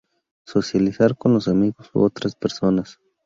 Socializar con los amigos u otras personas.